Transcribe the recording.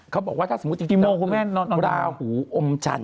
เขาบอกว่าถ้าสมมุติจริงราหูอมจันท